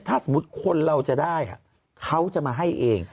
ถ้าสมมุติคนเราจะได้เขาจะมาให้เอง